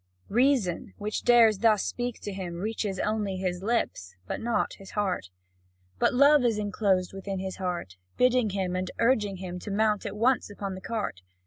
Reason, which dares thus speak to him, reaches only his lips, but not his heart; but love is enclosed within his heart, bidding him and urging him to mount at once upon the cart.